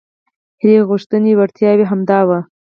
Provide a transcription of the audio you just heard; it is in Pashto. هیلې غوښتنې وړتیاوې همدا وو.